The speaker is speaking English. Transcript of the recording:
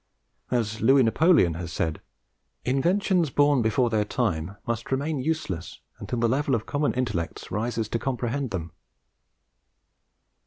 As Louis Napoleon has said, "Inventions born before their time must remain useless until the level of common intellects rises to comprehend them."